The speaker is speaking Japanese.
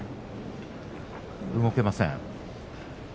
動けません。